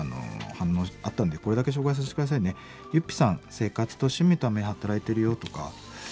「生活と趣味のため働いてるよ」とか。